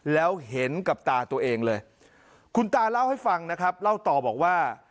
แล้วเห็นกับตาตัวเองเลยคุณตาเล่าให้ฟังนะครับเล่าต่อบอกว่า